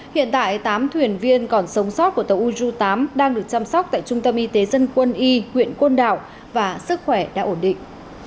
hiện tại tám thuyền viên còn sống sót của tàu uju tám đang được chăm sóc tại trung tâm y tế dân quân y huyện côn đảo và sức khỏe đã ổn định